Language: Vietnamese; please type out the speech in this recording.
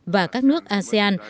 và các nước asean